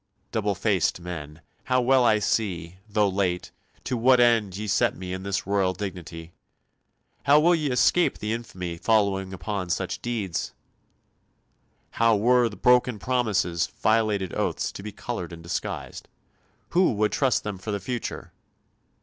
double faced men, how well I see, though late, to what end ye set me in this royal dignity! How will ye escape the infamy following upon such deeds?" How were broken promises, violated oaths, to be coloured and disguised? Who would trust them for the future?